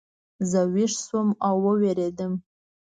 زه ویښ شوم او ووېرېدم.